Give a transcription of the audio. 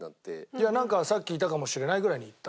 いやなんかさっきいたかもしれないぐらいに言った。